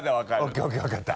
ＯＫＯＫ分かった。